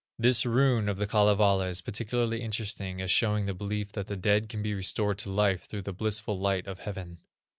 This rune of the Kalevala is particularly interesting as showing the belief that the dead can be restored to life through the blissful light of heaven.